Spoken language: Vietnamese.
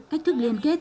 cách thức liên kết